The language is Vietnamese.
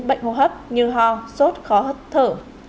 bệnh hô hấp như ho sốt khó hấp thở